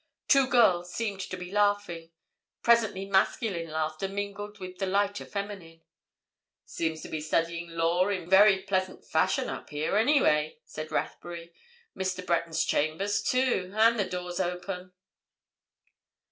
Two girls seemed to be laughing—presently masculine laughter mingled with the lighter feminine. "Seems to be studying law in very pleasant fashion up here, anyway," said Rathbury. "Mr. Breton's chambers, too. And the door's open."